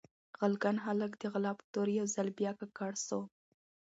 غلګن هالک د غلا په تور يو ځل بيا ککړ سو